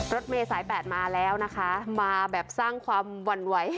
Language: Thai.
รถเมย์สายแปดมาแล้วนะคะมาแบบสร้างความหวั่นไหว